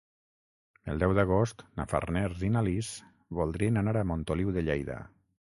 El deu d'agost na Farners i na Lis voldrien anar a Montoliu de Lleida.